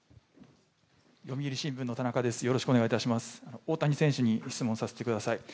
大谷選手に質問させてください。